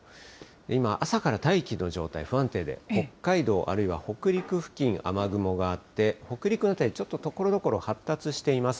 今、朝から大気の状態不安定で、北海道、あるいは北陸付近、雨雲があって、北陸の辺り、ちょっとところどころ発達しています。